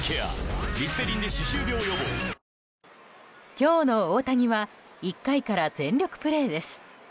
今日の大谷は１回から全力プレーです。